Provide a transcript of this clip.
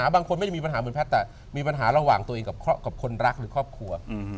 บางคนไม่ได้มีปัญหาเหมือนแพทย์แต่มีปัญหาระหว่างตัวเองกับคนรักหรือครอบครัว